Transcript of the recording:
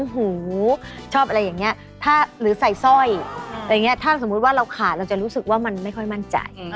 หรือใส่สร้อยหรืออย่างเงี้ยถ้าสมมติว่าเราขาดเราจะรู้สึกว่ามันไม่ค่อยมั่นใจ